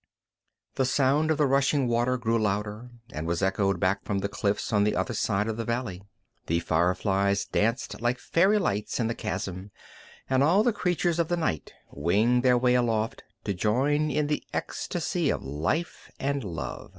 The sound of the rushing water grew louder, and was echoed back from the cliffs on the other side of the valley. The fireflies danced like fairy lights in the chasm, and all the creatures of the night winged their way aloft to join in the ecstasy of life and love.